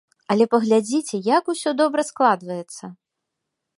Але паглядзіце, як усё добра складваецца!